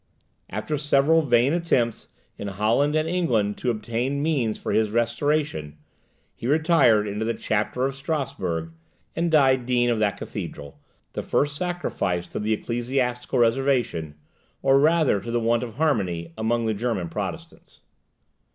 After several vain attempts in Holland and England to obtain means for his restoration, he retired into the Chapter of Strasburg, and died dean of that cathedral; the first sacrifice to the Ecclesiastical Reservation, or rather to the want of harmony among the German Protestants.